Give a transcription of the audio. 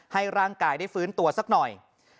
ให้ร่างกายได้ฟื้นตัวสักหน่อย